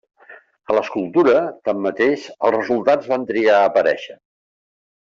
A l'escultura, tanmateix, els resultats van trigar a aparèixer.